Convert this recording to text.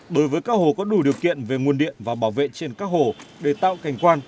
đối với các hồ có đủ điều kiện về nguồn điện và bảo vệ trên các hồ để tạo cảnh quan